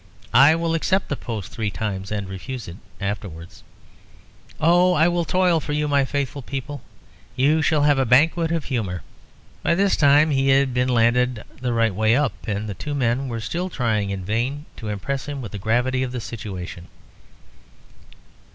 I will accept the post three times and refuse it afterwards. Oh! I will toil for you, my faithful people! You shall have a banquet of humour." By this time he had been landed the right way up, and the two men were still trying in vain to impress him with the gravity of the situation.